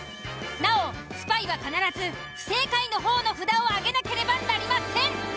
なおスパイは必ず不正解の方の札を挙げなければなりません！